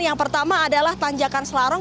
yang pertama adalah tanjakan selarong